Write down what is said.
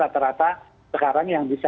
padahal kapasitas laboratorium ini masih ada